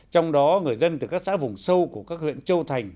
trong đó người dân từ các xã vùng sâu của các huyện châu thành